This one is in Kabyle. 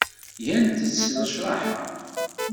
Gant-t s lecraha.